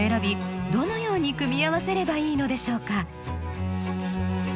どのように組み合わせればいいのでしょうか？